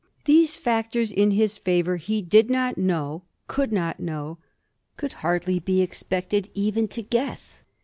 These factors in his favor he did not know, could not know, could hardly be expected even to guess.